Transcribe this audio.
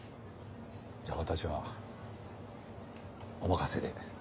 じゃあ私はお任せで。